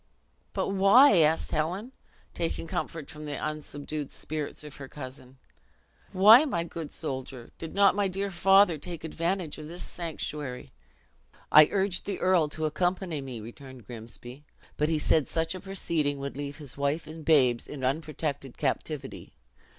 "But why," asked Helen, taking comfort from the unsubdued spirits of her cousin, "why, my good soldier, did not my dear father take advantage of this sanctuary?" "I urged the earl to accompany me," returned Grimsby; "but he said such a proceeding would leave his wife and babes in unprotected captivity.